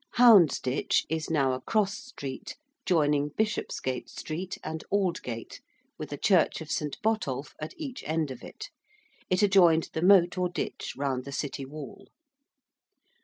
~Houndsditch~ is now a cross street joining Bishopgate Street and Aldgate, with a Church of St. Botolph at each end of it. It adjoined the moat or ditch round the City wall.